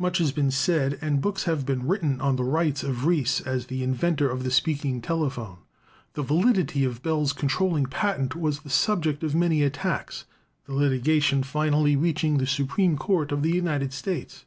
Much has been said and books have been written on the? rights of Reis as the inventor of the speaking telephone. The validity of Bell's controlling patent was the subject of many attacks, the litigation finally reaching the Su preme Court of the United States.